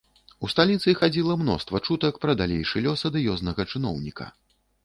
У сталіцы хадзіла мноства чутак пра далейшы лёс адыёзнага чыноўніка.